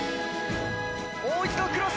もう一度クロス！